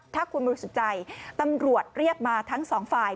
ถ้าคุณบริสุทธิ์ใจตำรวจเรียกมาทั้งสองฝ่าย